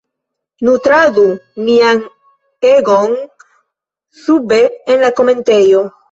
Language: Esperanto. Nutradu mian egoon sube en la komentejo!